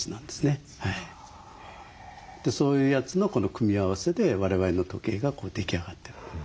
そういうやつの組み合わせで我々の時計が出来上がってる。